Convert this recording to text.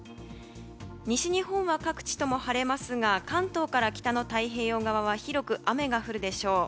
西日本は各地とも晴れますが関東から北の太平洋側は広く雨が降るでしょう。